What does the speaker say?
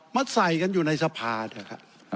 มาใส่กันอยู่ในสภานะครับ